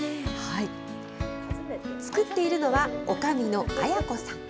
作っているのは、おかみの綾子さん。